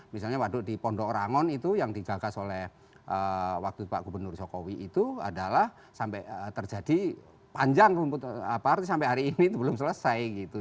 misalnya waduk di pondok rangon itu yang digagas oleh waktu pak gubernur jokowi itu adalah sampai terjadi panjang rumput apa artinya sampai hari ini itu belum selesai gitu